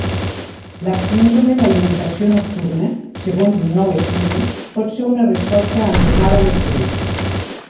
La síndrome d'alimentació nocturna, segons un nou estudi, pot ser una resposta anormal a l'estrès.